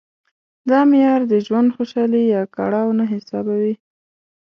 دا معیار د ژوند خوشالي یا کړاو نه حسابوي.